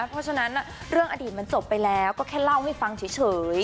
เพราะฉะนั้นเรื่องอดีตมันจบไปแล้วก็แค่เล่าให้ฟังเฉย